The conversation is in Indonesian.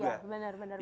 iya benar benar banget